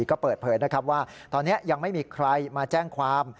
ก็เปิดเผยนะครับว่าตอนนี้ยังไม่มีใครมาแจ้งความ